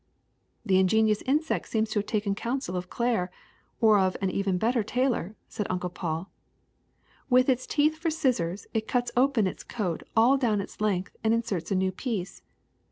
'^^' The ingenious insect seems to have taken counsel of Claire, or of an even better tailor,'' said Uncle Paul. ^^With its teeth for scissors it cuts open its coat all down its length and inserts a new piece.